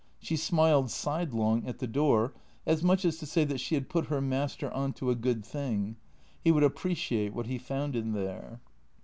She smiled sidelong at the door, as much as to say she had put her master on to a good thing. He would appreciate what he found in there.